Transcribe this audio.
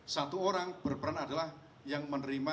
satu orang berperan adalah yang menerima